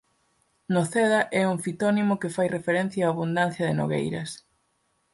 Noceda é un fitónimo que fai referencia á abundancia de nogueiras.